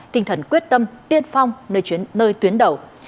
tinh thần quyết tâm tiên phong nơi tuyến đầu